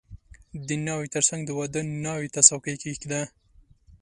• د ناوې تر څنګ د واده ناوې ته څوکۍ کښېږده.